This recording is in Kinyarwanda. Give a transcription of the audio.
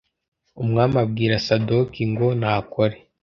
umwami abwira Sadoki ngo nakore.